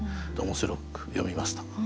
面白く読みました。